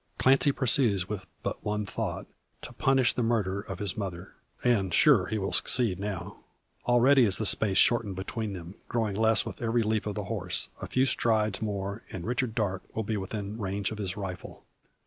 Clancy pursues but with one thought, to punish the murderer of his mother. And sure he will succeed now. Already is the space shortened between them, growing less with every leap of his horse. A few strides more and Richard Darke will be within range of his rifle.